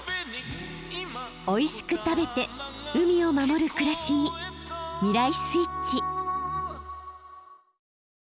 おいしく食べて海を守る暮らしに未来スイッチ。